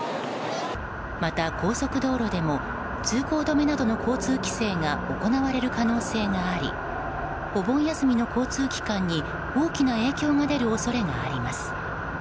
また高速道路でも通行止めなどの交通規制が行われる可能性がありお盆休みの交通機関に大きな影響が出る恐れがあります。